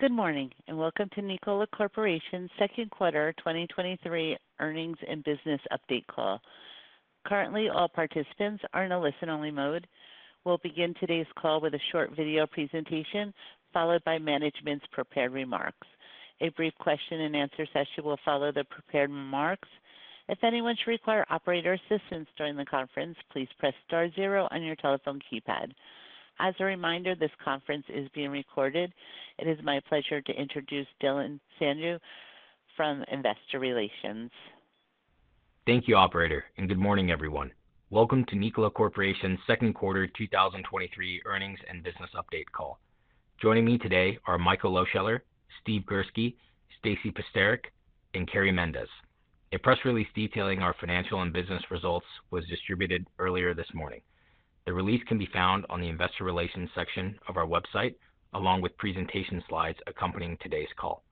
Good morning, and welcome to Nikola Corporation's Second Quarter 2023 Earnings and Business Update Call. Currently, all participants are in a listen-only mode. We'll begin today's call with a short video presentation, followed by management's prepared remarks. A brief question and answer session will follow the prepared remarks. If anyone should require operator assistance during the conference, please press star 0 on your telephone keypad. As a reminder, this conference is being recorded. It is my pleasure to introduce Dhillon Sandhu from Investor Relations. Thank you, operator, and good morning, everyone. Welcome to Nikola Corporation's second quarter 2023 earnings and business update call. Joining me today are Michael Lohscheller, Steve Girsky, Stasy Pasterick, and Carey Mendes. A press release detailing our financial and business results was distributed earlier this morning. The release can be found on the investor relations section of our website, along with presentation slides accompanying today's call.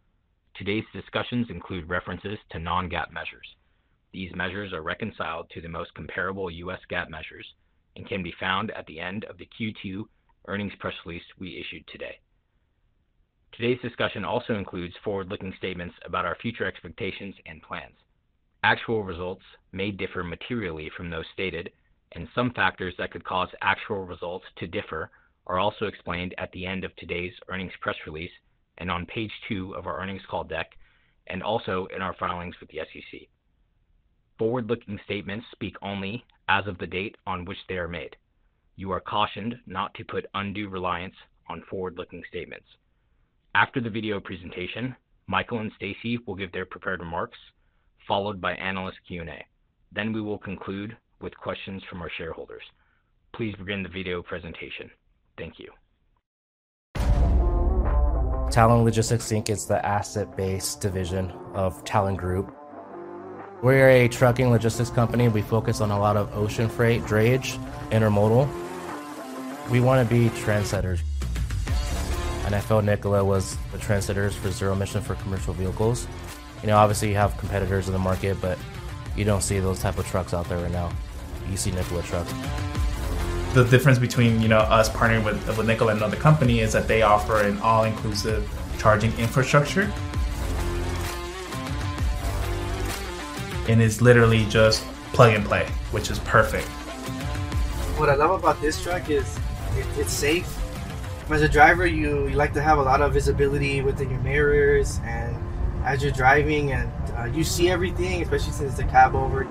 Today's discussions include references to non-GAAP measures. These measures are reconciled to the most comparable U.S. GAAP measures and can be found at the end of the Q2 earnings press release we issued today. Today's discussion also includes forward-looking statements about our future expectations and plans. Actual results may differ materially from those stated, and some factors that could cause actual results to differ are also explained at the end of today's earnings press release and on page two of our earnings call deck, and also in our filings with the SEC. Forward-looking statements speak only as of the date on which they are made. You are cautioned not to put undue reliance on forward-looking statements. After the video presentation, Michael and Stasy will give their prepared remarks, followed by analyst Q&A. We will conclude with questions from our shareholders. Please begin the video presentation. Thank you. Talon Logistics Inc. is the asset-based division of Talon Group. We're a trucking logistics company, and we focus on a lot of ocean freight, drayage, intermodal. We want to be trendsetters, and I felt Nikola was the trendsetters for zero emission for commercial vehicles. You know, obviously, you have competitors in the market, but you don't see those type of trucks out there right now. You see Nikola trucks. The difference between, you know, us partnering with, with Nikola and another company is that they offer an all-inclusive charging infrastructure. It's literally just plug and play, which is perfect. What I love about this truck is it, it's safe. As a driver, you like to have a lot of visibility within your mirrors, and as you're driving and, you see everything, especially since the cab over.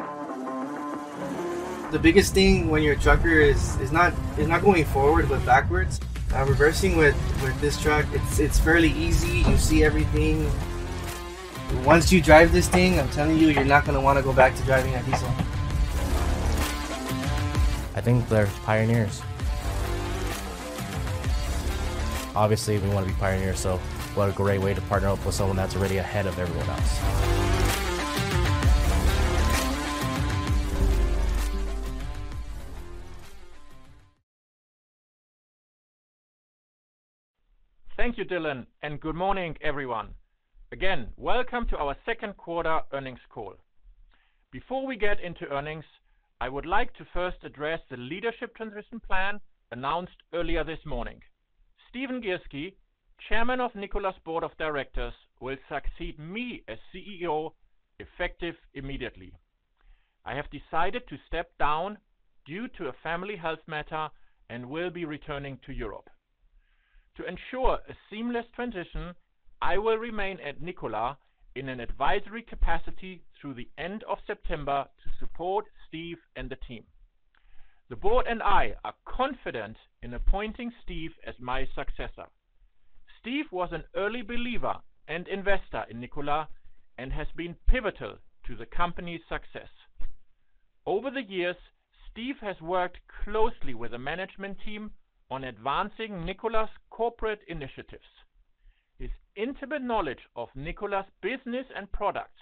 The biggest thing when you're a trucker is, is not, it's not going forward, but backwards. Reversing with this truck, it's, it's fairly easy. You see everything. Once you drive this thing, I'm telling you, you're not gonna wanna go back to driving a diesel. I think they're pioneers. Obviously, we want to be pioneers, so what a great way to partner up with someone that's already ahead of everyone else. Thank you, Dhillon, and good morning, everyone. Again, welcome to our second quarter earnings call. Before we get into earnings, I would like to first address the leadership transition plan announced earlier this morning. Stephen Girsky, Chairman of Nikola's Board of Directors, will succeed me as CEO, effective immediately. I have decided to step down due to a family health matter and will be returning to Europe. To ensure a seamless transition, I will remain at Nikola in an advisory capacity through the end of September to support Steve and the team. The board and I are confident in appointing Steve as my successor. Steve was an early believer and investor in Nikola and has been pivotal to the company's success. Over the years, Steve has worked closely with the management team on advancing Nikola's corporate initiatives. His intimate knowledge of Nikola's business and products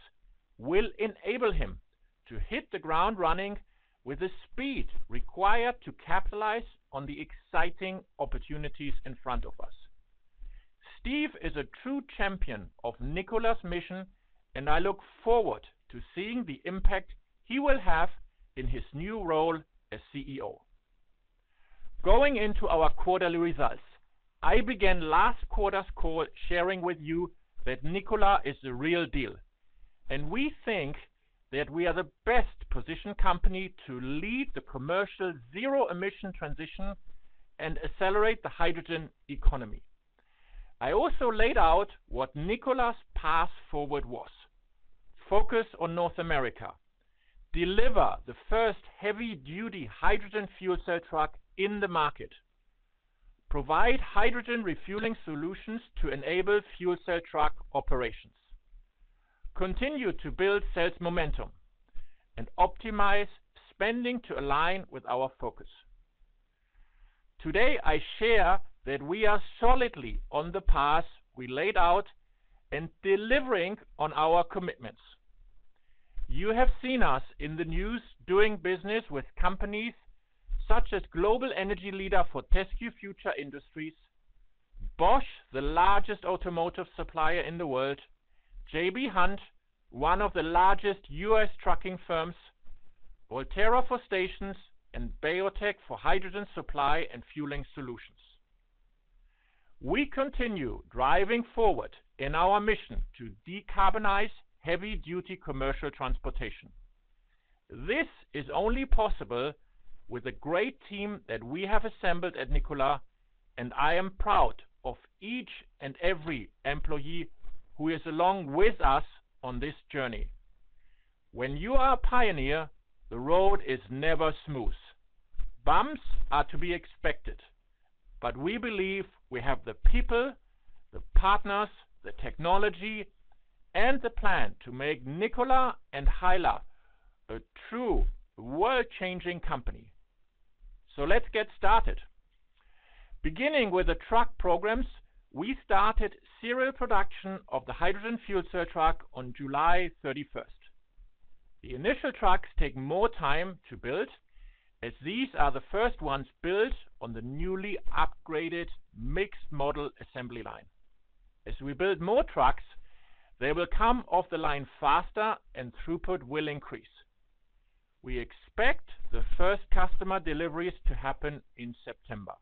will enable him to hit the ground running with the speed required to capitalize on the exciting opportunities in front of us. Steve is a true champion of Nikola's mission. I look forward to seeing the impact he will have in his new role as CEO. Going into our quarterly results, I began last quarter's call sharing with you that Nikola is the real deal. We think that we are the best-positioned company to lead the commercial zero-emission transition and accelerate the hydrogen economy. I also laid out what Nikola's path forward was: focus on North America, deliver the first heavy-duty hydrogen fuel cell truck in the market, provide hydrogen refueling solutions to enable fuel cell truck operations, continue to build sales momentum, and optimize spending to align with our focus. Today, I share that we are solidly on the path we laid out and delivering on our commitments. You have seen us in the news doing business with companies such as global energy leader Fortescue Future Industries, Bosch, the largest automotive supplier in the world, J.B. Hunt, one of the largest U.S. trucking firms, Voltera for stations and BayoTech for hydrogen supply and fueling solutions. We continue driving forward in our mission to decarbonize heavy-duty commercial transportation. This is only possible with a great team that we have assembled at Nikola, and I am proud of each and every employee who is along with us on this journey. When you are a pioneer, the road is never smooth. Bumps are to be expected, but we believe we have the people, the partners, the technology, and the plan to make Nikola and HYLA a true world-changing company. Let's get started. Beginning with the truck programs, we started serial production of the hydrogen fuel cell truck on July 31st. The initial trucks take more time to build, as these are the first ones built on the newly upgraded mixed model assembly line. As we build more trucks, they will come off the line faster and throughput will increase. We expect the first customer deliveries to happen in September.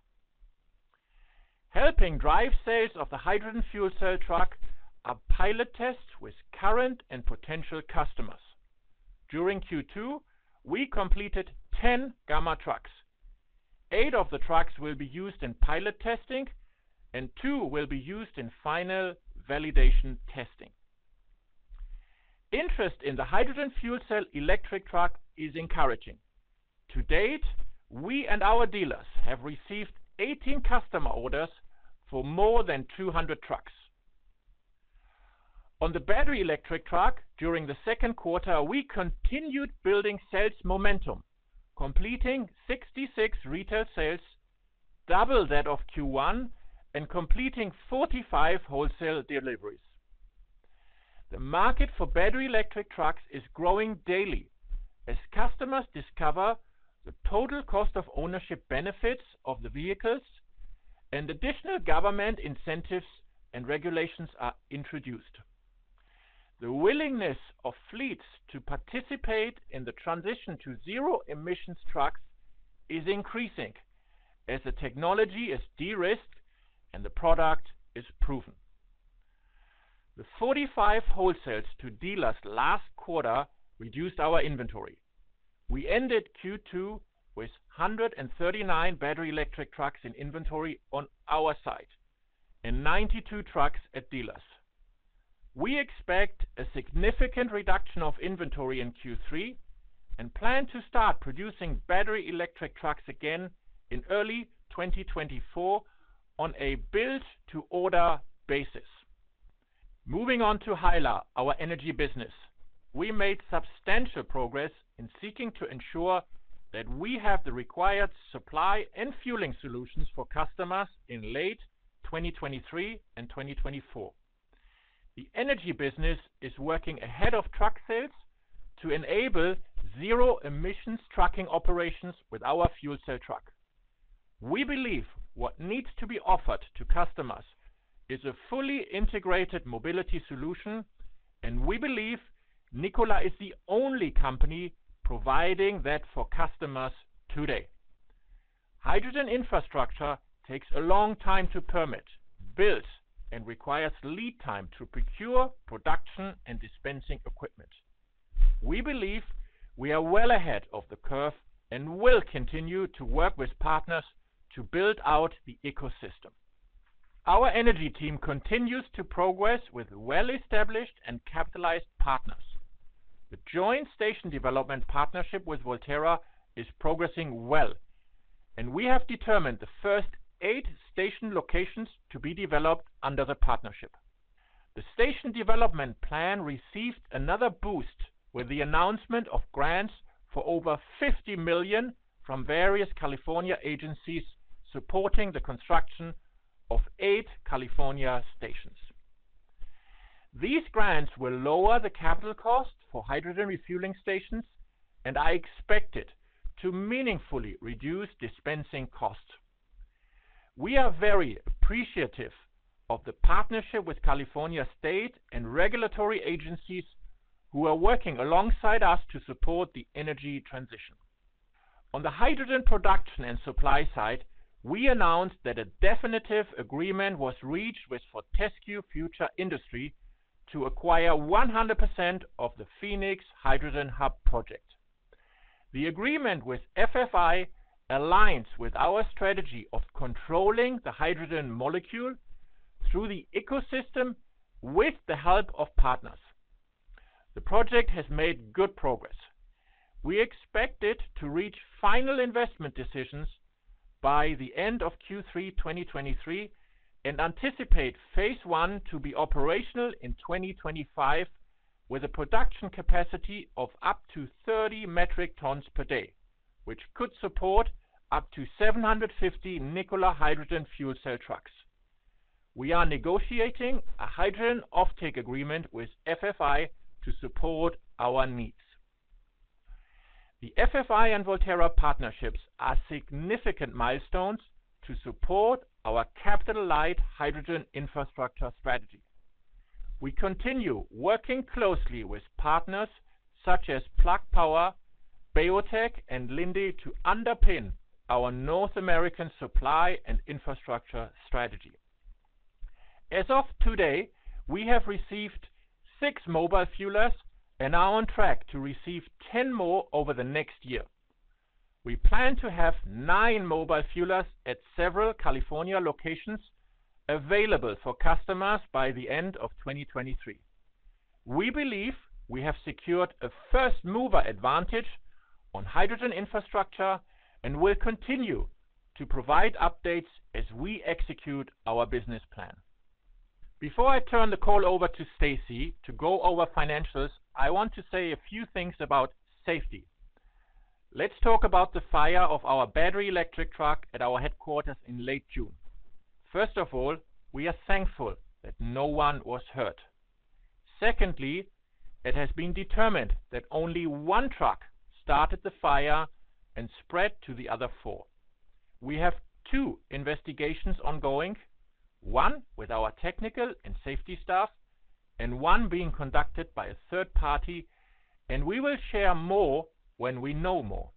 Helping drive sales of the hydrogen fuel cell truck are pilot tests with current and potential customers. During Q2, we completed 10 Gamma trucks. Eight of the trucks will be used in pilot testing, and two will be used in final validation testing. Interest in the hydrogen fuel cell electric truck is encouraging. To date, we and our dealers have received 18 customer orders for more than 200 trucks. On the battery electric truck, during the second quarter, we continued building sales momentum, completing 66 retail sales, double that of Q1, and completing 45 wholesale deliveries. The market for battery electric trucks is growing daily as customers discover the total cost of ownership benefits of the vehicles and additional government incentives and regulations are introduced. The willingness of fleets to participate in the transition to zero-emissions trucks is increasing as the technology is de-risked and the product is proven. The 45 wholesales to dealers last quarter reduced our inventory. We ended Q2 with 139 battery electric trucks in inventory on our site and 92 trucks at dealers. We expect a significant reduction of inventory in Q3 and plan to start producing battery electric trucks again in early 2024 on a build-to-order basis. Moving on to HYLA, our energy business, we made substantial progress in seeking to ensure that we have the required supply and fueling solutions for customers in late 2023 and 2024. The energy business is working ahead of truck sales to enable zero-emissions trucking operations with our fuel cell truck. We believe what needs to be offered to customers is a fully integrated mobility solution, and we believe Nikola is the only company providing that for customers today. Hydrogen infrastructure takes a long time to permit, build, and requires lead time to procure production and dispensing equipment. We believe we are well ahead of the curve and will continue to work with partners to build out the ecosystem. Our energy team continues to progress with well-established and capitalized partners. The joint station development partnership with Voltera is progressing well, and we have determined the first eight station locations to be developed under the partnership. The station development plan received another boost with the announcement of grants for over $50 million from various California agencies supporting the construction of eight California stations. These grants will lower the capital cost for hydrogen refueling stations, and are expected to meaningfully reduce dispensing costs. We are very appreciative of the partnership with California state and regulatory agencies who are working alongside us to support the energy transition. On the hydrogen production and supply side, we announced that a definitive agreement was reached with Fortescue Future Industries to acquire 100% of the Phoenix Hydrogen Hub project. The agreement with FFI aligns with our strategy of controlling the hydrogen molecule through the ecosystem with the help of partners. The project has made good progress. We expect it to reach final investment decisions by the end of Q3 2023 and anticipate phase one to be operational in 2025, with a production capacity of up to 30 metric tons per day, which could support up to 750 Nikola hydrogen fuel cell trucks. We are negotiating a hydrogen offtake agreement with FFI to support our needs. The FFI and Voltera partnerships are significant milestones to support our capital-light hydrogen infrastructure strategy. We continue working closely with partners such as Plug Power, BayoTech, and Linde to underpin our North American supply and infrastructure strategy. As of today, we have received six mobile fuelers and are on track to receive 10 more over the next year. We plan to have nine mobile fuelers at several California locations available for customers by the end of 2023. We believe we have secured a first mover advantage on hydrogen infrastructure. We'll continue to provide updates as we execute our business plan. Before I turn the call over to Stasy to go over financials, I want to say a few things about safety. Let's talk about the fire of our battery electric truck at our headquarters in late June. First of all, we are thankful that no one was hurt. Secondly, it has been determined that only one truck started the fire and spread to the other four. We have two investigations ongoing, 1 with our technical and safety staff, and one being conducted by a third party. We will share more when we know more.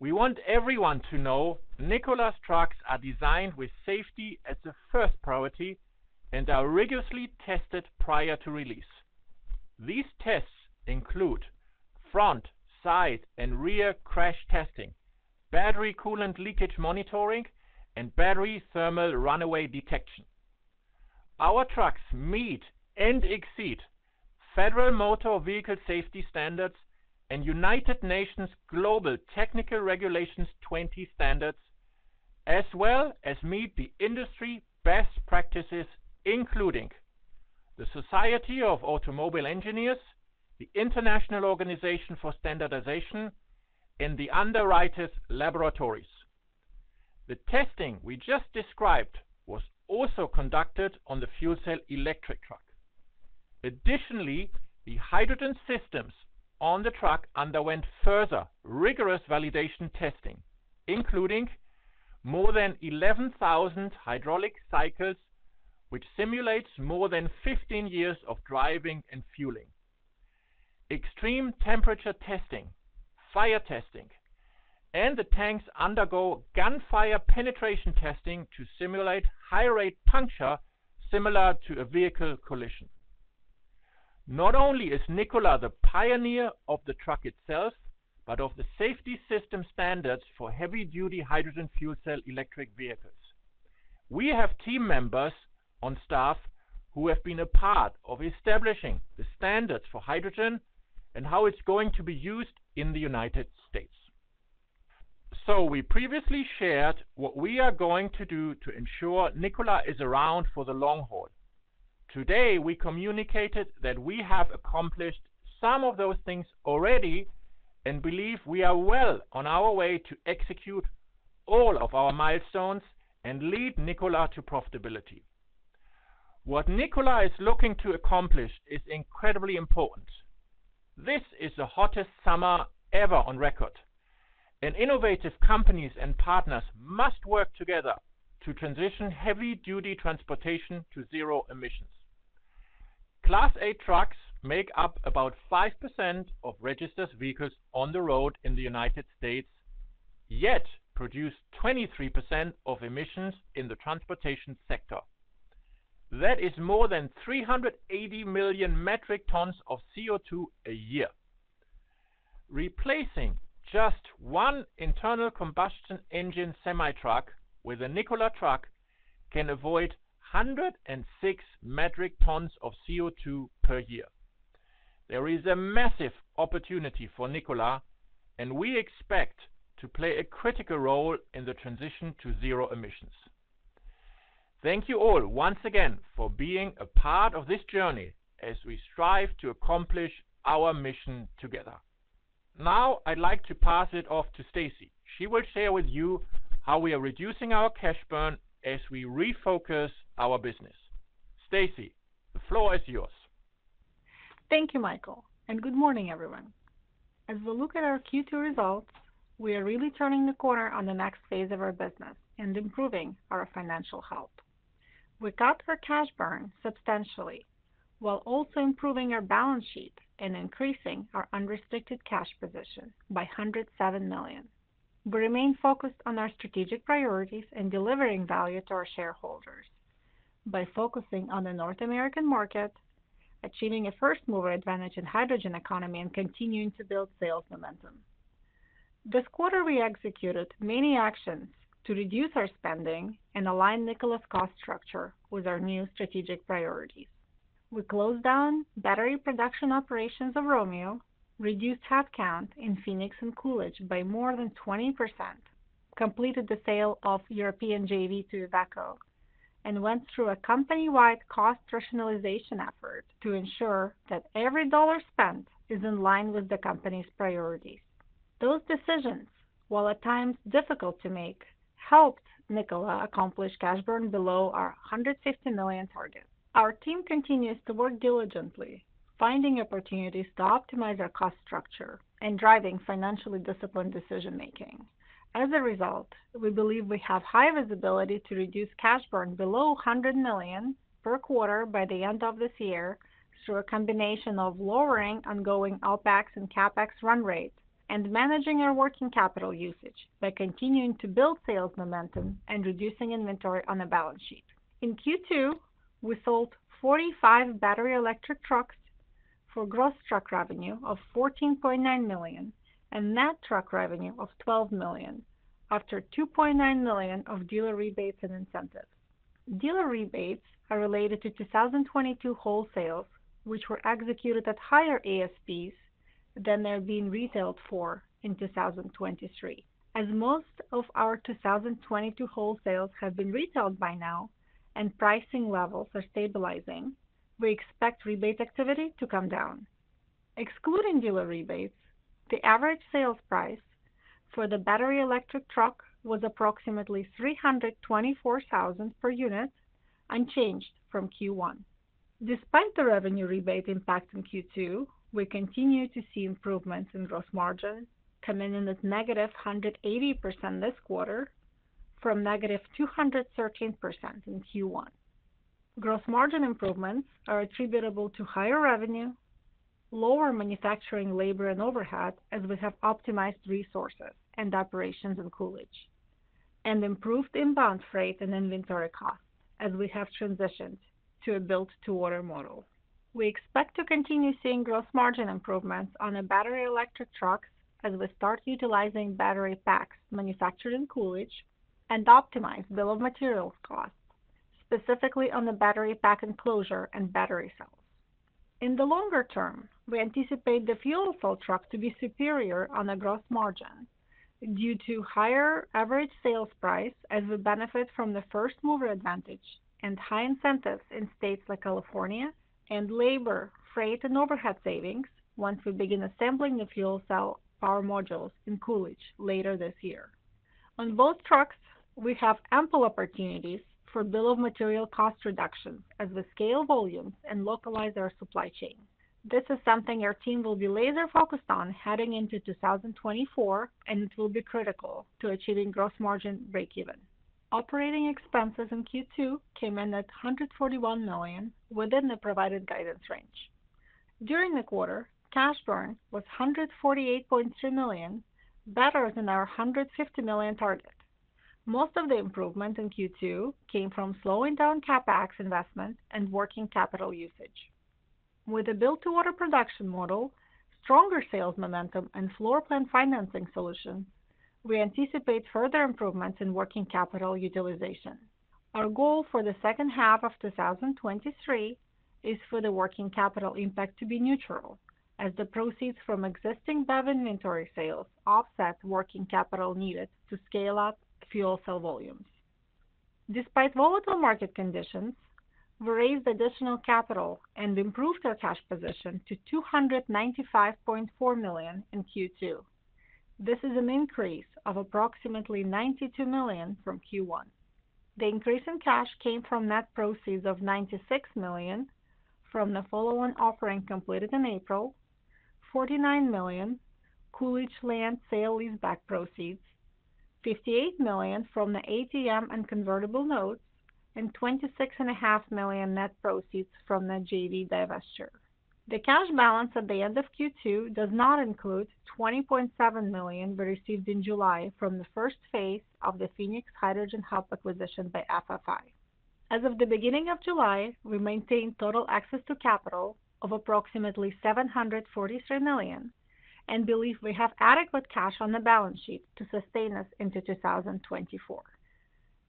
We want everyone to know Nikola's trucks are designed with safety as a first priority and are rigorously tested prior to release. These tests include front, side, and rear crash testing, battery coolant leakage monitoring, and battery thermal runaway detection. Our trucks meet and exceed Federal Motor Vehicle Safety Standards and United Nations Global Technical Regulations 20 standards, as well as meet the industry best practices, including the Society of Automobile Engineers, the International Organization for Standardization, and the Underwriters Laboratories. The testing we just described was also conducted on the fuel cell electric truck. Additionally, the hydrogen systems on the truck underwent further rigorous validation testing, including more than 11,000 hydraulic cycles, which simulates more than 15 years of driving and fueling, extreme temperature testing, fire testing, and the tanks undergo gunfire penetration testing to simulate high-rate puncture similar to a vehicle collision. Not only is Nikola the pioneer of the truck itself, but of the safety system standards for heavy-duty hydrogen fuel cell electric vehicles. We have team members on staff who have been a part of establishing the standards for hydrogen and how it's going to be used in the United States. We previously shared what we are going to do to ensure Nikola is around for the long haul. Today, we communicated that we have accomplished some of those things already and believe we are well on our way to execute all of our milestones and lead Nikola to profitability. What Nikola is looking to accomplish is incredibly important. This is the hottest summer ever on record, and innovative companies and partners must work together to transition heavy-duty transportation to zero emissions. Class A trucks make up about 5% of registered vehicles on the road in the United States, yet produce 23% of emissions in the transportation sector. That is more than 380 million metric tons of CO2 a year. Replacing just one internal combustion engine semi-truck with a Nikola truck can avoid 106 metric tons of CO2 per year. There is a massive opportunity for Nikola, and we expect to play a critical role in the transition to zero emissions. Thank you all once again for being a part of this journey as we strive to accomplish our mission together. Now, I'd like to pass it off to Stasy. She will share with you how we are reducing our cash burn as we refocus our business. Stasy, the floor is yours. Thank you, Michael. Good morning, everyone. As we look at our Q2 results, we are really turning the corner on the next phase of our business and improving our financial health. We cut our cash burn substantially, while also improving our balance sheet and increasing our unrestricted cash position by $107 million. We remain focused on our strategic priorities and delivering value to our shareholders by focusing on the North American market, achieving a first-mover advantage in hydrogen economy, and continuing to build sales momentum. This quarter, we executed many actions to reduce our spending and align Nikola's cost structure with our new strategic priorities. We closed down battery production operations of Romeo, reduced headcount in Phoenix and Coolidge by more than 20%, completed the sale of European JV to Iveco, and went through a company-wide cost rationalization effort to ensure that every dollar spent is in line with the company's priorities. Those decisions, while at times difficult to make, helped Nikola accomplish cash burn below our $150 million target. Our team continues to work diligently, finding opportunities to optimize our cost structure and driving financially disciplined decision-making. As a result, we believe we have high visibility to reduce cash burn below $100 million per quarter by the end of this year, through a combination of lowering ongoing OpEx and CapEx run rates, and managing our working capital usage by continuing to build sales momentum and reducing inventory on the balance sheet. In Q2, we sold 45 battery electric trucks for gross truck revenue of $14.9 million and net truck revenue of $12 million, after $2.9 million of dealer rebates and incentives. Dealer rebates are related to 2022 wholesale, which were executed at higher ASPs than they're being retailed for in 2023. Most of our 2022 wholesales have been retailed by now, and pricing levels are stabilizing, we expect rebate activity to come down. Excluding dealer rebates, the average sales price for the battery electric truck was approximately $324,000 per unit, unchanged from Q1. Despite the revenue rebate impact in Q2, we continue to see improvements in gross margin coming in at -180% this quarter, from -213% in Q1. Gross margin improvements are attributable to higher revenue, lower manufacturing labor and overhead as we have optimized resources and operations in Coolidge, and improved inbound freight and inventory costs as we have transitioned to a build-to-order model. We expect to continue seeing gross margin improvements on a battery electric truck as we start utilizing battery packs manufactured in Coolidge and optimize bill of materials costs, specifically on the battery pack enclosure and battery cells. In the longer term, we anticipate the fuel cell truck to be superior on the gross margin due to higher average sales price, as we benefit from the first mover advantage and high incentives in states like California, and labor, freight, and overhead savings once we begin assembling the fuel cell power modules in Coolidge later this year. On both trucks, we have ample opportunities for bill of material cost reductions as we scale volume and localize our supply chain. This is something our team will be laser-focused on heading into 2024, and it will be critical to achieving gross margin breakeven. Operating expenses in Q2 came in at $141 million, within the provided guidance range. During the quarter, cash burn was $148.2 million, better than our $150 million target. Most of the improvement in Q2 came from slowing down CapEx investment and working capital usage. With a build-to-order production model, stronger sales momentum, and floor plan financing solution, we anticipate further improvements in working capital utilization. Our goal for the second half of 2023 is for the working capital impact to be neutral, as the proceeds from existing BEV inventory sales offset working capital needed to scale up fuel cell volumes. Despite volatile market conditions, we raised additional capital and improved our cash position to $295.4 million in Q2. This is an increase of approximately $92 million from Q1. The increase in cash came from net proceeds of $96 million from the follow-on offering completed in April, $49 million Coolidge land sale leaseback proceeds, $58 million from the ATM and convertible notes, and $26.5 million net proceeds from the JV divestiture. The cash balance at the end of Q2 does not include $20.7 million we received in July from the first phase of the Phoenix Hydrogen Hub acquisition by FFI. As of the beginning of July, we maintained total access to capital of approximately $743 million, and believe we have adequate cash on the balance sheet to sustain us into 2024.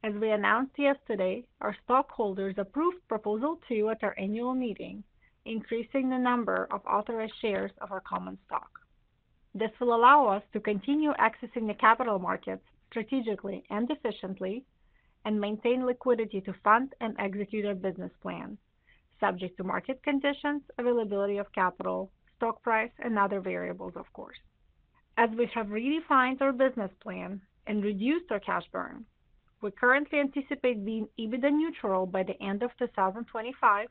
As we announced yesterday, our stockholders approved Proposal 2 at our annual meeting, increasing the number of authorized shares of our common stock. This will allow us to continue accessing the capital markets strategically and efficiently and maintain liquidity to fund and execute our business plan, subject to market conditions, availability of capital, stock price, and other variables, of course. As we have redefined our business plan and reduced our cash burn, we currently anticipate being EBITDA neutral by the end of 2025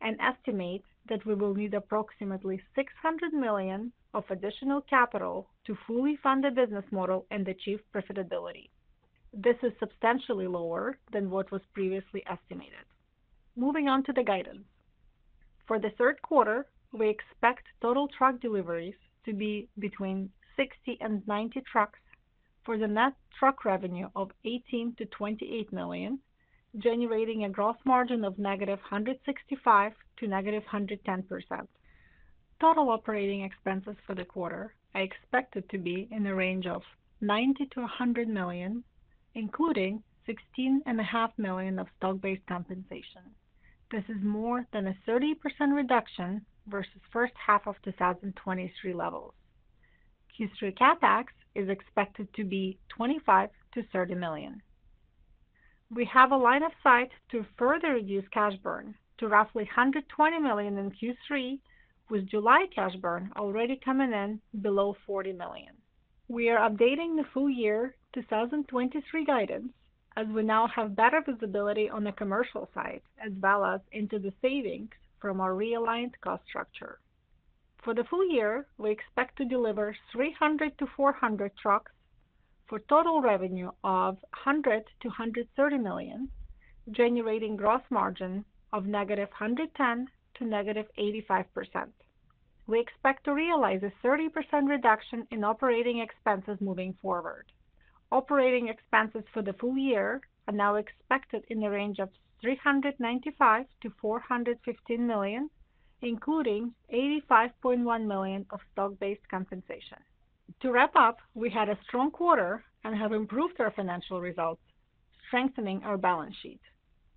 and estimate that we will need approximately $600 million of additional capital to fully fund the business model and achieve profitability. This is substantially lower than what was previously estimated. Moving on to the guidance. For the third quarter, we expect total truck deliveries to be between 60 and 90 trucks, for the net truck revenue of $18 million-$28 million, generating a gross margin of -165% to -110%. Total operating expenses for the quarter are expected to be in the range of $90 million-$100 million, including $16.5 million of stock-based compensation. This is more than a 30% reduction versus first half of 2023 levels. Q3 CapEx is expected to be $25 million-$30 million. We have a line of sight to further reduce cash burn to roughly $120 million in Q3, with July cash burn already coming in below $40 million. We are updating the full year 2023 guidance, as we now have better visibility on the commercial side, as well as into the savings from our realigned cost structure. The full year, we expect to deliver 300-400 trucks for total revenue of $100 million-$130 million, generating gross margin of -110% to -85%. We expect to realize a 30% reduction in operating expenses moving forward. Operating expenses for the full year are now expected in the range of $395 million-$415 million, including $85.1 million of stock-based compensation. To wrap up, we had a strong quarter and have improved our financial results, strengthening our balance sheet.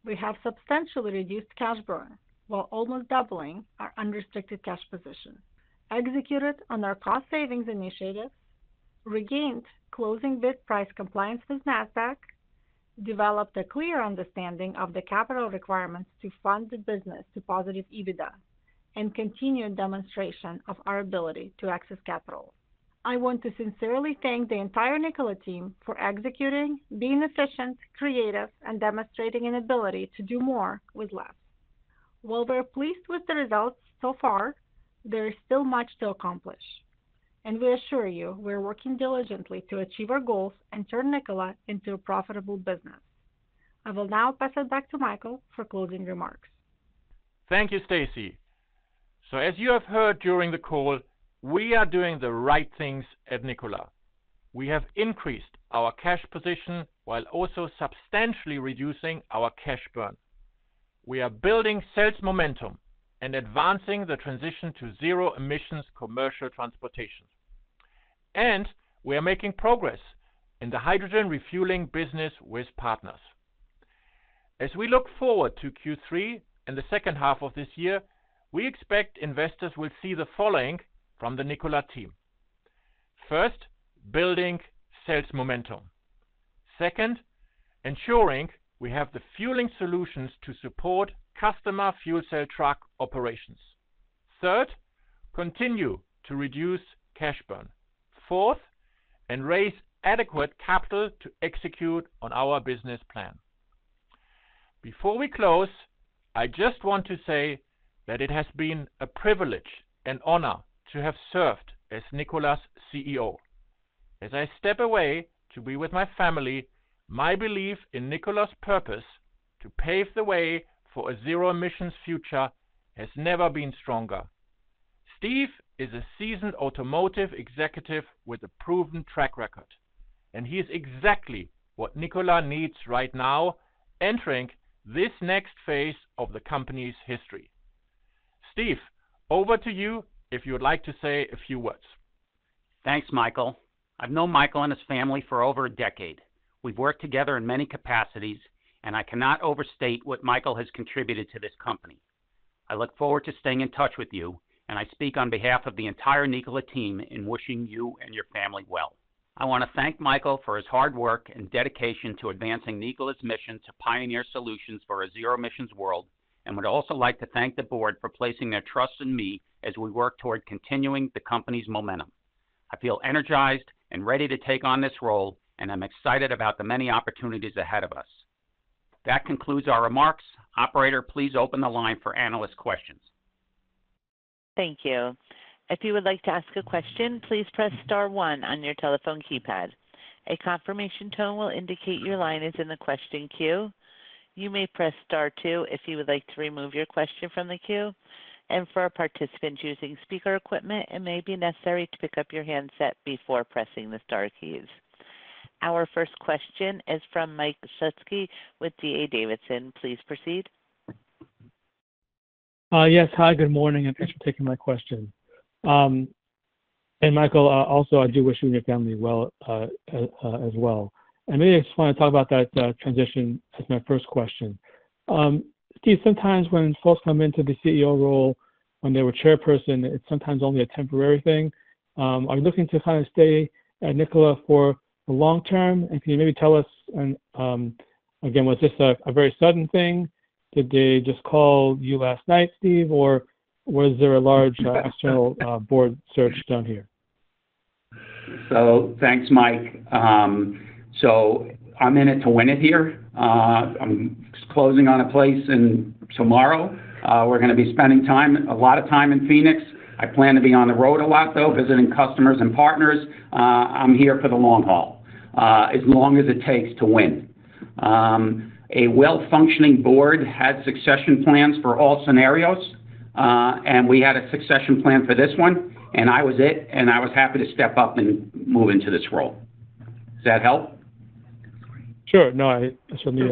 We have substantially reduced cash burn while almost doubling our unrestricted cash position, executed on our cost savings initiatives, regained closing bid price compliance with Nasdaq, developed a clear understanding of the capital requirements to fund the business to positive EBITDA, and continued demonstration of our ability to access capital. I want to sincerely thank the entire Nikola team for executing, being efficient, creative, and demonstrating an ability to do more with less. While we're pleased with the results so far, there is still much to accomplish, and we assure you we are working diligently to achieve our goals and turn Nikola into a profitable business. I will now pass it back to Michael for closing remarks. Thank you, Stasy. As you have heard during the call, we are doing the right things at Nikola. We have increased our cash position while also substantially reducing our cash burn. We are building sales momentum and advancing the transition to zero emissions commercial transportation, and we are making progress in the hydrogen refueling business with partners. As we look forward to Q3 and the second half of this year, we expect investors will see the following from the Nikola team. First, building sales momentum. Second, ensuring we have the fueling solutions to support customer fuel cell truck operations. Third, continue to reduce cash burn. Fourth, raise adequate capital to execute on our business plan. Before we close, I just want to say that it has been a privilege and honor to have served as Nikola's CEO. As I step away to be with my family, my belief in Nikola's purpose to pave the way for a zero-emissions future has never been stronger. Steve is a seasoned automotive executive with a proven track record, and he is exactly what Nikola needs right now, entering this next phase of the company's history. Steve, over to you, if you would like to say a few words. Thanks, Michael. I've known Michael and his family for over a decade. We've worked together in many capacities, and I cannot overstate what Michael has contributed to this company. I look forward to staying in touch with you, and I speak on behalf of the entire Nikola team in wishing you and your family well. I want to thank Michael for his hard work and dedication to advancing Nikola's mission to pioneer solutions for a zero-emissions world, and would also like to thank the board for placing their trust in me as we work toward continuing the company's momentum. I feel energized and ready to take on this role, and I'm excited about the many opportunities ahead of us. That concludes our remarks. Operator, please open the line for analyst questions. Thank you. If you would like to ask a question, please press star one on your telephone keypad. A confirmation tone will indicate your line is in the question queue. You may press Star two if you would like to remove your question from the queue, and for our participants using speaker equipment, it may be necessary to pick up your handset before pressing the star keys. Our first question is from Mike Shlisky with D.A. Davidson. Please proceed. Yes. Hi, good morning. Thanks for taking my question. Michael, also, I do wish you and your family well as well. I maybe just want to talk about that transition as my first question. Steve, sometimes when folks come into the CEO role, when they were chairperson, it's sometimes only a temporary thing. Are you looking to kind of stay at Nikola for the long term? Can you maybe tell us and, again, was this a very sudden thing? Did they just call you last night, Steve, or was there a large, external board search done here? Thanks, Mike. I'm in it to win it here. I'm closing on a place in tomorrow. We're gonna be spending time, a lot of time in Phoenix. I plan to be on the road a lot, though, visiting customers and partners. I'm here for the long haul, as long as it takes to win. A well-functioning board had succession plans for all scenarios, and we had a succession plan for this one, and I was it, and I was happy to step up and move into this role. Does that help? Sure. No, I certainly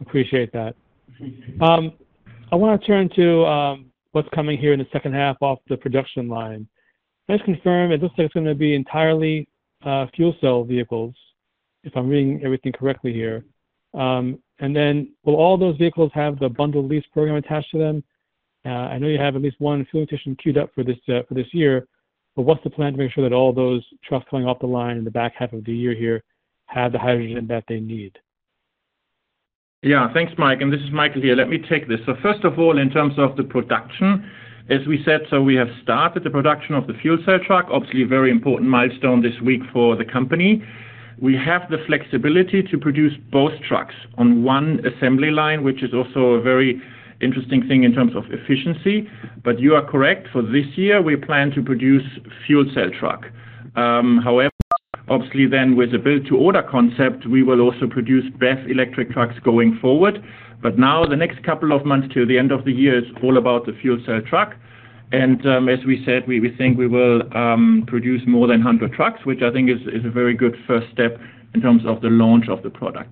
appreciate that. I want to turn to what's coming here in the second half off the production line. Just confirm, it looks like it's going to be entirely fuel cell vehicles, if I'm reading everything correctly here. Will all those vehicles have the bundled lease program attached to them? I know you have at least one fuel station queued up for this for this year, but what's the plan to make sure that all those trucks coming off the line in the back half of the year here have the hydrogen that they need? Yeah. Thanks, Mike. This is Michael here. Let me take this. First of all, in terms of the production, as we said, we have started the production of the fuel cell truck. Obviously, a very important milestone this week for the company. We have the flexibility to produce both trucks on one assembly line, which is also a very interesting thing in terms of efficiency. You are correct, for this year, we plan to produce fuel cell truck. However, obviously then, with the build-to-order concept, we will also produce BEV electric trucks going forward. Now, the next couple of months till the end of the year is all about the fuel cell truck. As we said, we, we think we will produce more than 100 trucks, which I think is, is a very good first step in terms of the launch of the product.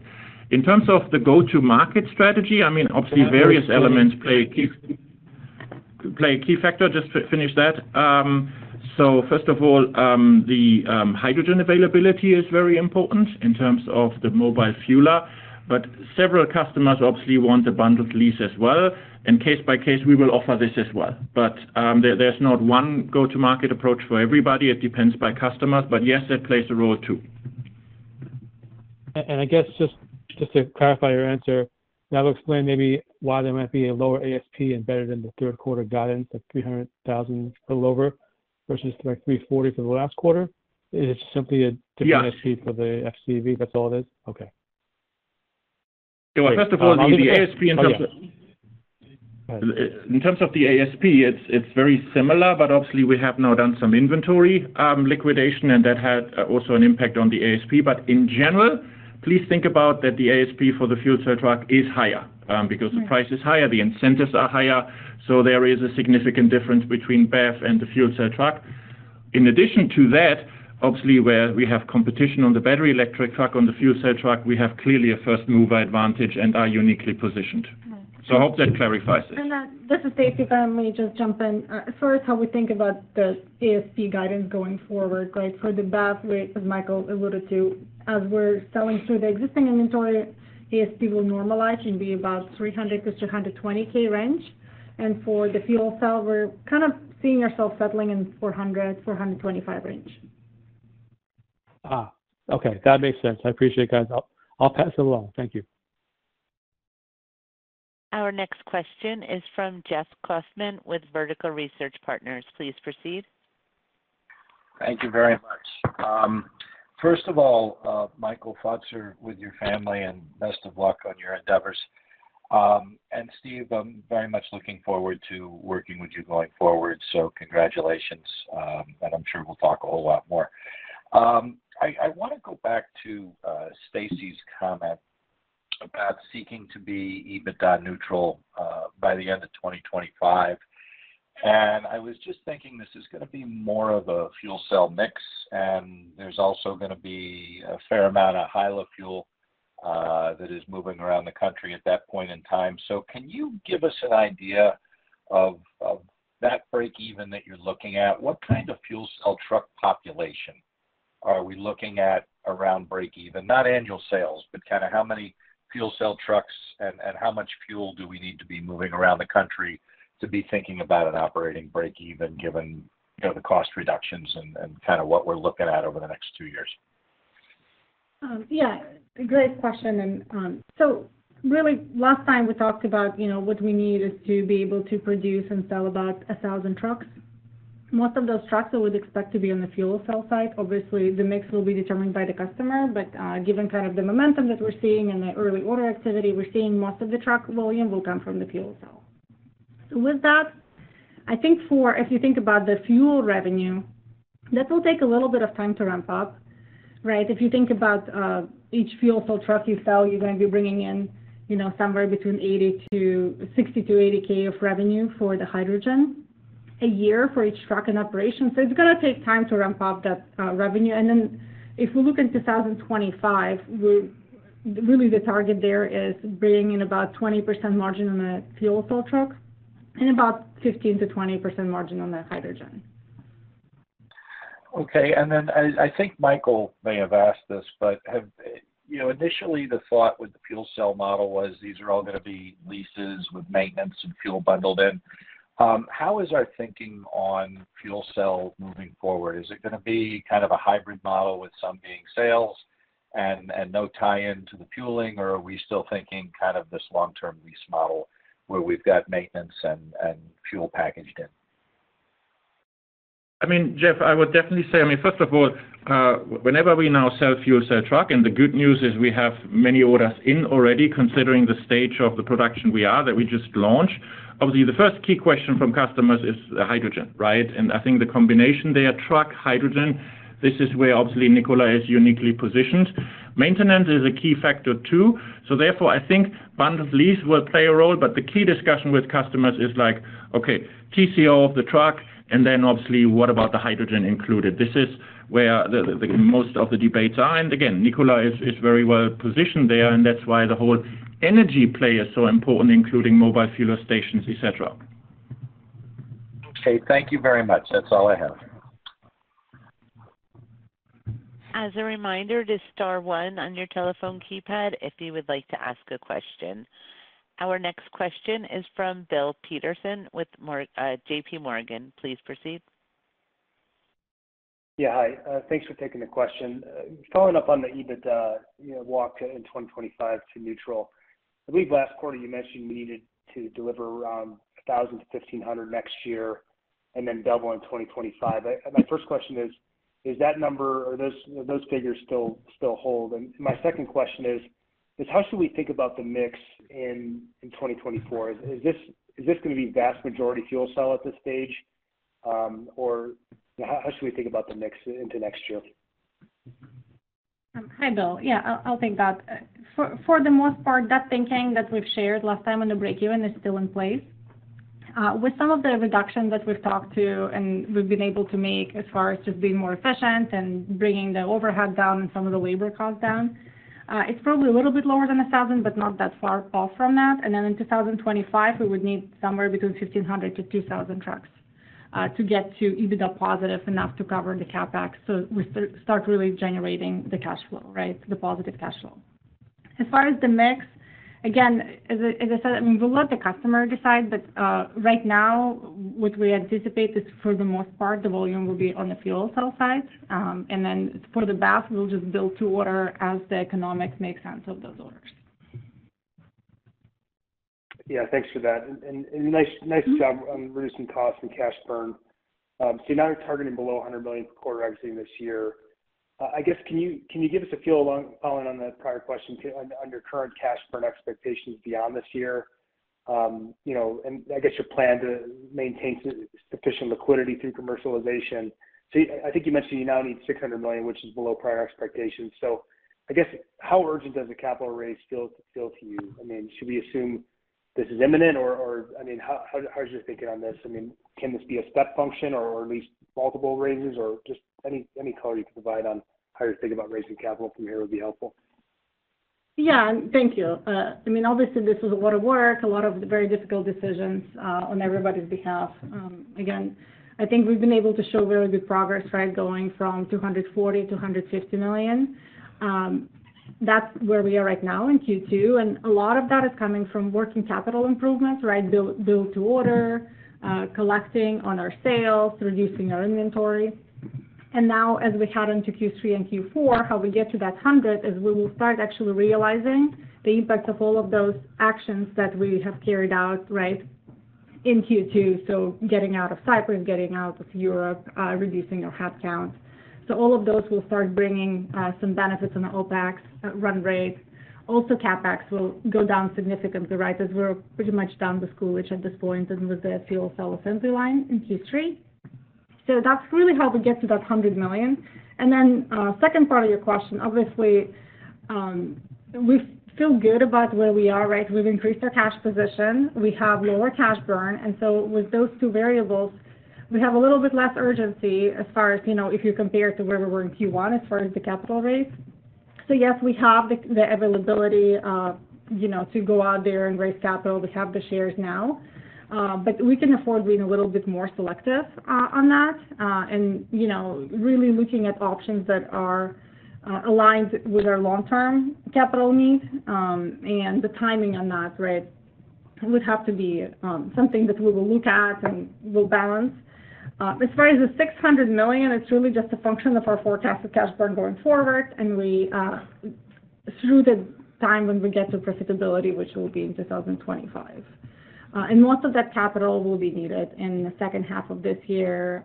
In terms of the go-to-market strategy, I mean, obviously various elements play a key factor. Just to finish that, first of all, the hydrogen availability is very important in terms of the mobile fueler, but several customers obviously want a bundled lease as well, and case by case, we will offer this as well. There, there's not one go-to-market approach for everybody. It depends by customers, but yes, that plays a role, too. I guess just, just to clarify your answer, that'll explain maybe why there might be a lower ASP and better than the third quarter guidance of $300,000 a little over, versus like $340,000 for the last quarter. It's simply a different ASP for the FCV, that's all it is? First of all, the ASP in terms of-- Oh, yeah. In terms of the ASP, it's, it's very similar, obviously we have now done some inventory liquidation, and that had also an impact on the ASP. In general, please think about that the ASP for the fuel cell truck is higher, because the price is higher, the incentives are higher, so there is a significant difference between BEV and the fuel cell truck. In addition to that, obviously, where we have competition on the battery electric truck, on the fuel cell truck, we have clearly a first-mover advantage and are uniquely positioned. Right. I hope that clarifies it. This is Stasy, if I may just jump in. As far as how we think about the ASP guidance going forward, right? For the BEV, which Michael alluded to, as we're selling through the existing inventory, ASP will normalize and be about $300,000-$320,000 range. For the fuel cell, we're kind of seeing ourselves settling in $400,000-$425,000 range. Okay. That makes sense. I appreciate it, guys. I'll pass it along. Thank you. Our next question is from Jeff Klusman with Vertical Research Partners. Please proceed. Thank you very much. First of all, Michael, thoughts are with your family and best of luck on your endeavors. Steve, I'm very much looking forward to working with you going forward, so congratulations, and I'm sure we'll talk a whole lot more. I want to go back to Stasy's comment about seeking to be EBITDA neutral by the end of 2025. I was just thinking, this is going to be more of a fuel cell mix, and there's also going to be a fair amount of HYLA fuel that is moving around the country at that point in time. Can you give us an idea of, of that breakeven that you're looking at? What kind of fuel cell truck population are we looking at around breakeven? Not annual sales, but kind of how many fuel cell trucks and, and how much fuel do we need to be moving around the country to be thinking about an operating breakeven, given, you know, the cost reductions and, and kind of what we're looking at over the next two years? Yeah, great question. Really, last time we talked about, you know, what we need is to be able to produce and sell about 1,000 trucks. Most of those trucks I would expect to be on the fuel cell side. Obviously, the mix will be determined by the customer, but given kind of the momentum that we're seeing and the early order activity we're seeing, most of the truck volume will come from the fuel cell. With that, I think for If you think about the fuel revenue, that will take a little bit of time to ramp up, right? If you think about each fuel cell truck you sell, you're going to be bringing in, you know, somewhere between $60,000-$80,000 of revenue for the hydrogen a year for each truck in operation. It's going to take time to ramp up that revenue. Then, if we look into 2025, really the target there is bringing in about 20% margin on the fuel cell trucks and about 15%-20% margin on the hydrogen. Okay. I think Michael may have asked this, but you know, initially, the thought with the fuel cell model was these are all going to be leases with maintenance and fuel bundled in. How is our thinking on fuel cell moving forward? Is it going to be kind of a hybrid model with some being sales and, and no tie-in to the fueling, or are we still thinking kind of this long-term lease model, where we've got maintenance and, and fuel packaged in? I mean, Jeff, I would definitely say, I mean, first of all, whenever we now sell fuel cell truck, and the good news is we have many orders in already, considering the stage of the production we are, that we just launched. Obviously, the first key question from customers is, hydrogen, right? I think the combination there, truck, hydrogen, this is where obviously Nikola is uniquely positioned. Maintenance is a key factor, too. Therefore, I think bundled lease will play a role, but the key discussion with customers is like, okay, TCO of the truck, and then obviously, what about the hydrogen included? This is where the most of the debates are, and again, Nikola is very well positioned there, and that's why the whole energy play is so important, including mobile fueler stations, et cetera. Okay. Thank you very much. That's all I have. As a reminder, just star one on your telephone keypad if you would like to ask a question. Our next question is from Bill Peterson with J.P. Morgan. Please proceed. Yeah, hi. Thanks for taking the question. Following up on the EBITDA, you know, walk in 2025 to neutral. I believe last quarter you mentioned you needed to deliver around 1,000-1,500 next year, then double in 2025. My first question is, is that number or those, those figures still, still hold? My second question is, is how should we think about the mix in 2024? Is this, is this gonna be vast majority fuel cell at this stage, or how, how should we think about the mix into next year? Hi, Bill. Yeah, I'll take that. For, for the most part, that thinking that we've shared last time on the breakeven is still in place. With some of the reductions that we've talked to, and we've been able to make as far as just being more efficient and bringing the overhead down and some of the labor costs down, it's probably a little bit lower than 1,000, but not that far off from that. Then in 2025, we would need somewhere between 1,500-2,000 trucks to get to EBITDA positive enough to cover the CapEx, so we start really generating the cash flow, right? The positive cash flow. As far as the mix, again, as I said, I mean, we'll let the customer decide, but right now, what we anticipate is, for the most part, the volume will be on the fuel cell side. Then for the BEV, we'll just build to order as the economics make sense of those orders. Yeah, thanks for that. And, and nice, nice job on reducing costs and cash burn. You're now targeting below $100 million per quarter exiting this year. I guess, can you, can you give us a feel along- following on the prior question, too, on- under current cash burn expectations beyond this year? You know, and I guess your plan to maintain sufficient liquidity through commercialization. I think you mentioned you now need $600 million, which is below prior expectations. I guess, how urgent does the capital raise feel, feel to you? I mean, should we assume this is imminent, or, I mean, how is your thinking on this? I mean, can this be a step function or at least multiple raises or just any, any color you can provide on how you think about raising capital from here would be helpful? Yeah, thank you. I mean, obviously, this is a lot of work, a lot of very difficult decisions, on everybody's behalf. Again, I think we've been able to show very good progress, right, going from $240 million to $150 million. That's where we are right now in Q2, and a lot of that is coming from working capital improvements, right? Build, build to order, collecting on our sales, reducing our inventory. And now, as we head into Q3 and Q4, how we get to that $100 million is we will start actually realizing the impact of all of those actions that we have carried out, right, in Q2. Getting out of Cypress, getting out of Europe, reducing our head count. All of those will start bringing some benefits on the OpEx run rate. CapEx will go down significantly, right, as we're pretty much done with Coolidge, which at this point is with the fuel cell assembly line in Q3. That's really how we get to that $100 million. Second part of your question, obviously, we feel good about where we are, right? We've increased our cash position, we have lower cash burn, with those two variables, we have a little bit less urgency as far as, you know, if you compare it to where we were in Q1 as far as the capital raise. Yes, we have the availability, you know, to go out there and raise capital. We have the shares now, but we can afford being a little bit more selective on that, and, you know, really looking at options that are aligned with our long-term capital needs, and the timing on that, right, would have to be something that we will look at and we'll balance. As far as the $600 million, it's really just a function of our forecast of cash burn going forward, and we through the time when we get to profitability, which will be in 2025. Most of that capital will be needed in the second half of this year,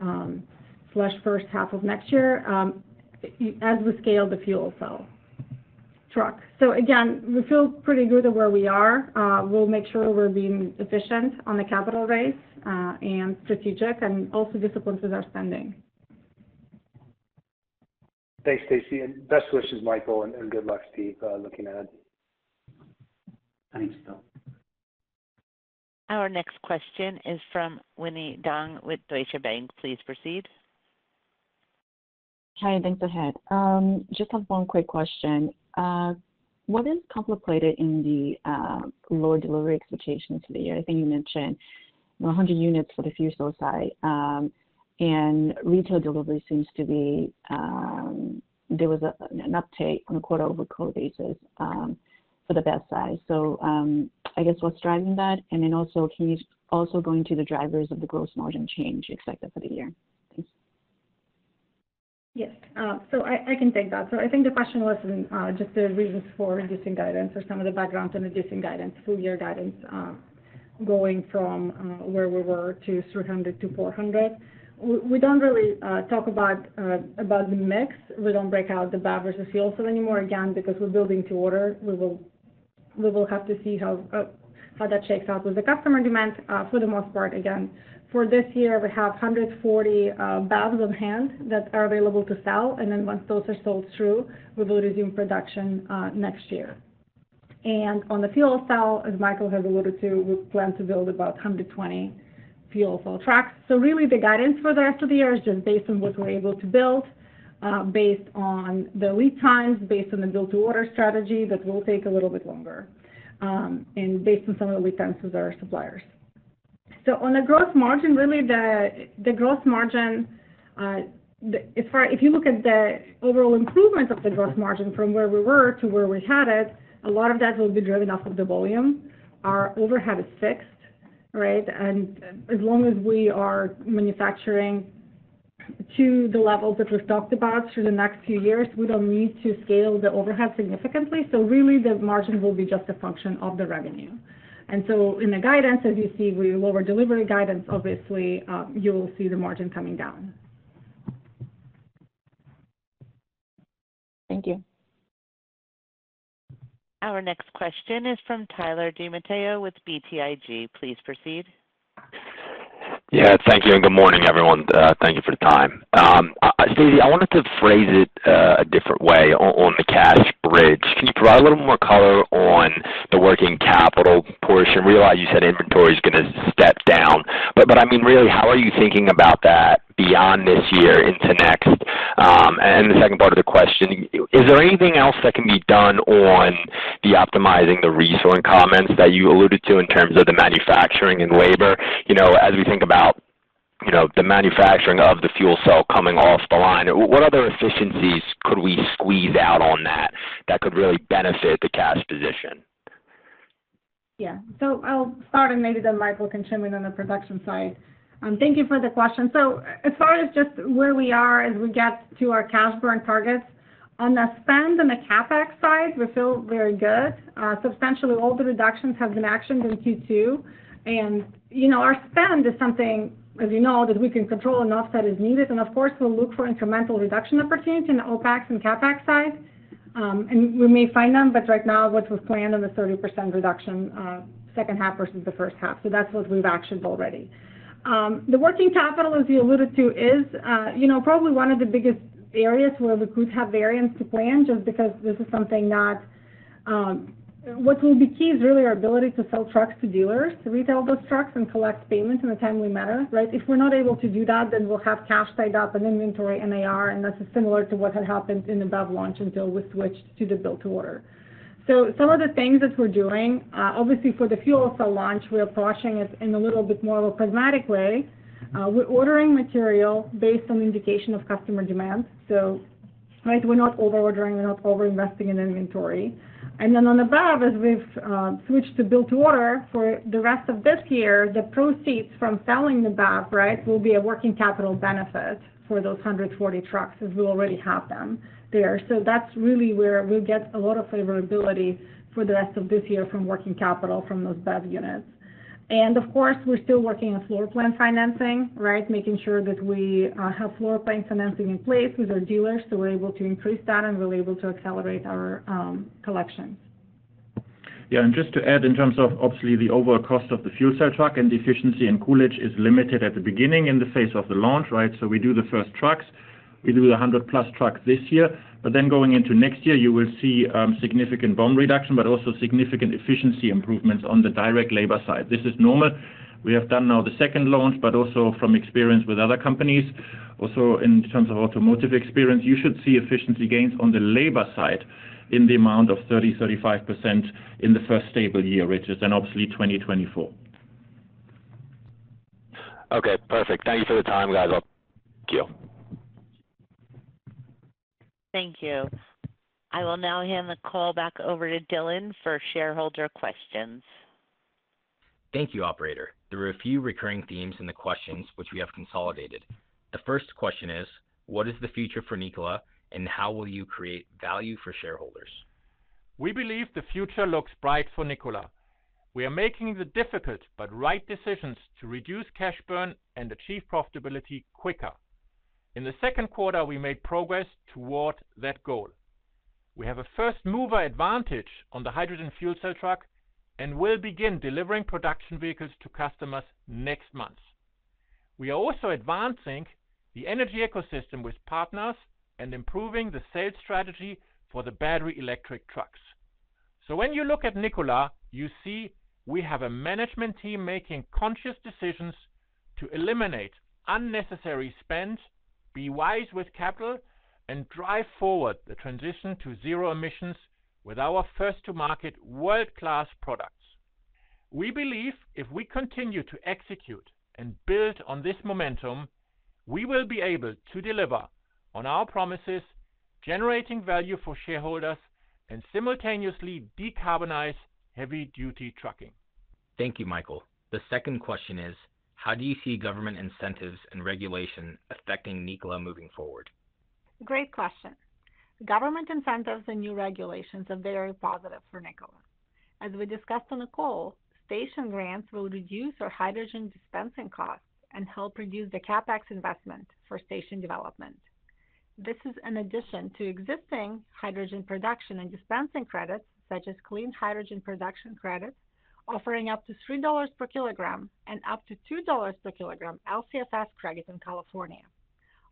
slash first half of next year, as we scale the fuel cell truck. Again, we feel pretty good at where we are. We'll make sure we're being efficient on the capital raise, and strategic, and also disciplined with our spending. Thanks, Stasy, and best wishes, Michael, and good luck to you, looking ahead. Thanks, Bill. Our next question is from Winnie Dong with Deutsche Bank. Please proceed. Hi, thanks ahead. Just have one quick question. What is complicated in the lower delivery expectations for the year? I think you mentioned 100 units for the fuel cell side, and retail delivery seems to be, there was an uptake on a quarter-over-quarter basis for the BEV side. I guess what's driving that? Then also, can you also go into the drivers of the gross margin change expected for the year? Thanks. Yes, I can take that. I think the question was just the reasons for reducing guidance or some of the background on reducing guidance, full year guidance, going from where we were to 300-400. We don't really talk about the mix. We don't break out the BEV versus fuel cell anymore, again, because we're building to order. We will have to see how that shakes out with the customer demand. For the most part, again, for this year, we have 140 BATs on hand that are available to sell, and then once those are sold through, we will resume production next year. On the fuel cell, as Michael has alluded to, we plan to build about 120 fuel cell trucks. Really, the guidance for the rest of the year is just based on what we're able to build, based on the lead times, based on the build to order strategy, that will take a little bit longer, and based on some of the lead times with our suppliers. On the gross margin, really, the, the gross margin, if you look at the overall improvement of the gross margin from where we were to where we had it, a lot of that will be driven off of the volume. Our overhead is fixed, right? As long as we are manufacturing to the levels that we've talked about through the next few years, we don't need to scale the overhead significantly. Really, the margin will be just a function of the revenue. In the guidance, as you see, we lower delivery guidance, obviously, you'll see the margin coming down. Thank you. Our next question is from Tyler DiMatteo with BTIG. Please proceed. Yeah, thank you, and good morning, everyone. Thank you for the time. I, so I wanted to phrase it a different way o-on the cash bridge. Can you provide a little more color on the working capital portion? I realize you said inventory is going to step down, I mean, really, how are you thinking about that beyond this year into next? The second part of the question: Is there anything else that can be done on deoptimizing the reselling comments that you alluded to in terms of the manufacturing and labor? You know, as we think about, you know, the manufacturing of the fuel cell coming off the line, what other efficiencies could we squeeze out on that, that could really benefit the cash position? Yeah. I'll start, and maybe then Michael can chime in on the production side. Thank you for the question. As far as just where we are as we get to our cash burn targets, on the spend and the CapEx side, we feel very good. Substantially, all the reductions have been actioned in Q2. You know, our spend is something, as you know, that we can control and offset as needed. Of course, we'll look for incremental reduction opportunities in the OpEx and CapEx side. We may find them, but right now, what was planned on the 30% reduction, second half versus the first half. That's what we've actioned already. The working capital, as you alluded to, is, you know, probably one of the biggest areas where we could have variance to plan, just because this is something not. What will be key is really our ability to sell trucks to dealers, to retail those trucks and collect payments in a timely manner, right? If we're not able to do that, then we'll have cash tied up in inventory and AR, and that is similar to what had happened in the BEV launch until we switched to the build-to-order. Some of the things that we're doing, obviously for the fuel cell launch, we are approaching it in a little bit more of a pragmatic way. We're ordering material based on indication of customer demand. Right, we're not over-ordering, we're not over-investing in inventory. Then on the BEV, as we've switched to build-to-order for the rest of this year, the proceeds from selling the BEV, right, will be a working capital benefit for those 140 trucks, as we already have them there. That's really where we get a lot of favorability for the rest of this year from working capital from those BEV units. Of course, we're still working on floor plan financing, right? Making sure that we have floor plan financing in place with our dealers, so we're able to increase that and we're able to accelerate our collections. Yeah, just to add, in terms of obviously the overall cost of the fuel cell truck and the efficiency and Coolidge is limited at the beginning in the face of the launch, right? We do the first trucks, we do the 100+ trucks this year. Then going into next year, you will see significant volume reduction, but also significant efficiency improvements on the direct labor side. This is normal. We have done now the second launch, but also from experience with other companies, also in terms of automotive experience, you should see efficiency gains on the labor side in the amount of 30%-35% in the first stable year, which is then obviously 2024. Okay, perfect. Thank you for the time, guys. Thank you. Thank you. I will now hand the call back over to Dhillon for shareholder questions. Thank you, operator. There were a few recurring themes in the questions, which we have consolidated. The first question is: what is the future for Nikola, and how will you create value for shareholders? We believe the future looks bright for Nikola. We are making the difficult but right decisions to reduce cash burn and achieve profitability quicker. In the second quarter, we made progress toward that goal. We have a first-mover advantage on the hydrogen fuel cell truck, and will begin delivering production vehicles to customers next month. We are also advancing the energy ecosystem with partners and improving the sales strategy for the battery electric trucks. When you look at Nikola, you see we have a management team making conscious decisions to eliminate unnecessary spends, be wise with capital, and drive forward the transition to zero emissions with our first-to-market-world-class products. We believe if we continue to execute and build on this momentum, we will be able to deliver on our promises, generating value for shareholders, and simultaneously decarbonize heavy-duty trucking. Thank you, Michael. The second question is: how do you see government incentives and regulation affecting Nikola moving forward? Great question. Government incentives and new regulations are very positive for Nikola. As we discussed on the call, station grants will reduce our hydrogen dispensing costs and help reduce the CapEx investment for station development. This is an addition to existing hydrogen production and dispensing credits, such as clean hydrogen production credits, offering up to $3 per kilogram and up to $2 per kilogram LCFS credits in California.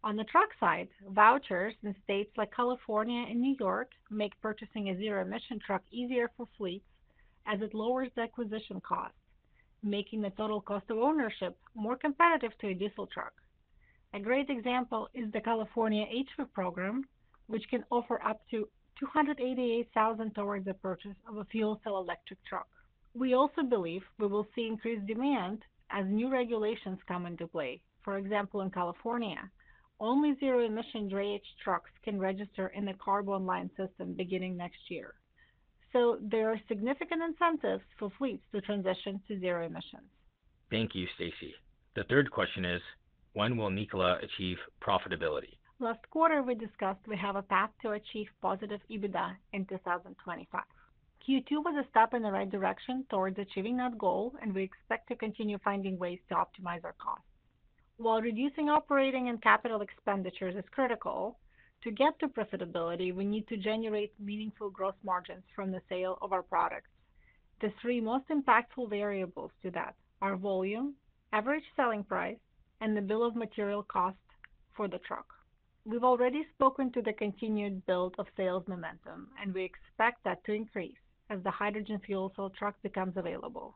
On the truck side, vouchers in states like California and New York make purchasing a zero-emission truck easier for fleets, as it lowers the acquisition cost, making the total cost of ownership more competitive to a diesel truck. A great example is the California HVIP program, which can offer up to $288,000 towards the purchase of a fuel cell electric truck. We also believe we will see increased demand as new regulations come into play. For example, in California, only zero-emission drayage trucks can register in the CARB Online System beginning next year. There are significant incentives for fleets to transition to zero emissions. Thank you, Stasy. The third question is: When will Nikola achieve profitability? Last quarter, we discussed we have a path to achieve positive EBITDA in 2025. Q2 was a step in the right direction towards achieving that goal, and we expect to continue finding ways to optimize our costs. While reducing operating and capital expenditures is critical, to get to profitability, we need to generate meaningful gross margins from the sale of our products. The three most impactful variables to that are volume, average selling price, and the bill of material cost for the truck. We've already spoken to the continued build of sales momentum, and we expect that to increase as the hydrogen fuel cell truck becomes available.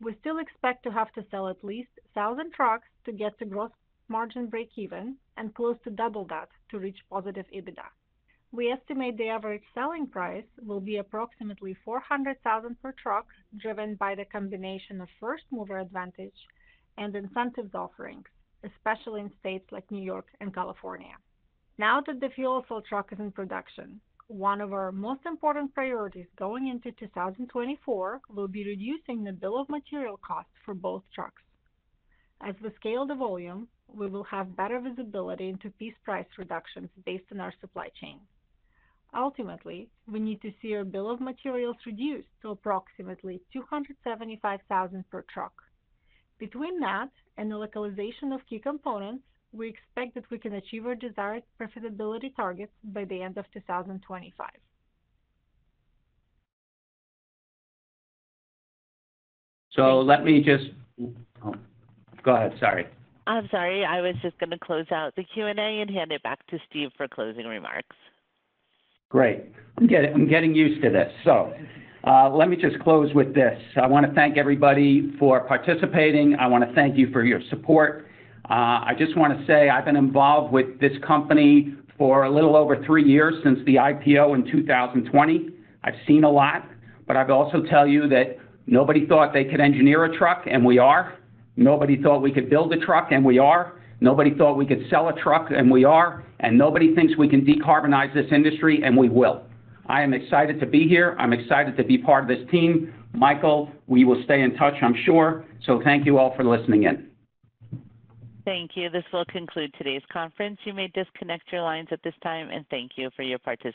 We still expect to have to sell at least 1,000 trucks to get to gross margin breakeven and close to double that to reach positive EBITDA. We estimate the average selling price will be approximately $400,000 per truck, driven by the combination of first mover advantage and incentives offerings, especially in states like New York and California. Now that the fuel cell truck is in production, one of our most important priorities going into 2024 will be reducing the bill of material costs for both trucks. As we scale the volume, we will have better visibility into piece price reductions based on our supply chain. Ultimately, we need to see our bill of materials reduced to approximately $275,000 per truck. Between that and the localization of key components, we expect that we can achieve our desired profitability targets by the end of 2025. Let me just. Oh, go ahead, sorry. I'm sorry. I was just gonna close out the Q&A and hand it back to Steve for closing remarks. Great. I'm getting, I'm getting used to this. Let me just close with this. I want to thank everybody for participating. I want to thank you for your support. I just want to say I've been involved with this company for a little over three years, since the IPO in 2020. I've seen a lot, but I've also tell you that nobody thought they could engineer a truck, and we are. Nobody thought we could build a truck, and we are. Nobody thought we could sell a truck, and we are. Nobody thinks we can decarbonize this industry, and we will. I am excited to be here. I'm excited to be part of this team. Michael, we will stay in touch, I'm sure. Thank you all for listening in. Thank you. This will conclude today's conference. You may disconnect your lines at this time, and thank you for your participation.